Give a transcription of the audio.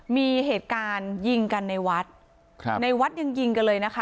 มีเหตุการณ์ยิงกันในวัดครับในวัดยังยิงกันเลยนะคะ